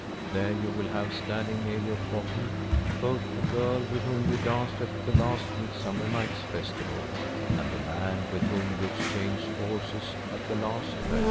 There you will have standing near your coffin both the g^rl with whom you danced at the last midsummer night's festival and the man with whom you exchanged horses at the last fair.